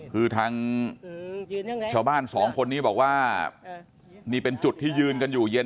คือทางชาวบ้านสองคนนี้บอกว่านี่เป็นจุดที่ยืนกันอยู่เย็น